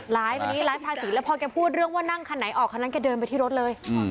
มานี้ไลฟ์ภาษีแล้วพอแกพูดเรื่องว่านั่งคันไหนออกคันนั้นแกเดินไปที่รถเลย